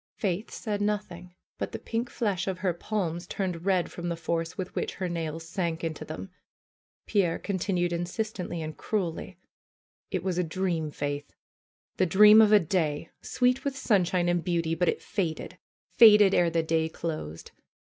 Faith said nothing. But the pink flesh of her palms turned red from the force with which her nails sank into them. Pierre continued insistently and cruelly. ^Ht was a dream, Faith! The dream of a day! Sweet with sunshine and beauty; but it faded, faded ere the day closed!